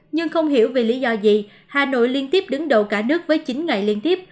nhưng không hiểu vì lý do gì hà nội liên tiếp đứng đầu cả nước với chín ngày liên tiếp